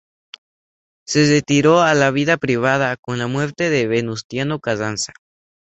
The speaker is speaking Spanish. Se retiró a la vida privada con la muerte de Venustiano Carranza.